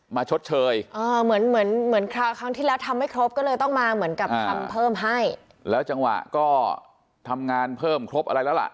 ไม่ครบก็เลยต้องมาเหมือนกับคำเพิ่มให้แล้วจังหวะก็ทำงานเพิ่มครบอะไรแล้วล่ะ